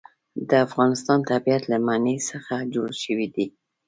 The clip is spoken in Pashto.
د افغانستان طبیعت له منی څخه جوړ شوی دی.